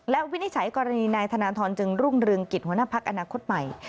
และวินิจฉัยกรณีนายธนทรจึงรุ่งเรืองกิจหัวหน้าพักอนาคตใหม่